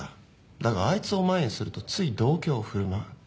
だがあいつを前にするとつい道化を振る舞う。